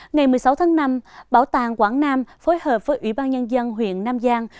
ngày một mươi sáu tháng năm bảo tàng quảng nam phối hợp với ủy ban nhân dân huyện nam giang